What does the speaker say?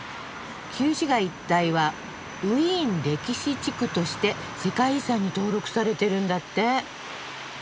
旧市街一帯はウィーン歴史地区として世界遺産に登録されてるんだって。